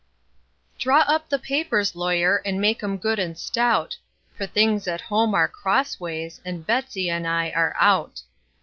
Draw up the papers, lawyer, and make 'em good and stout; For things at home are crossways, and Betsey and I are out.